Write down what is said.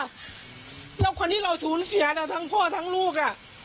แล้วคนที่เราสูญเสียนะทั้งพ่อทั้งลูก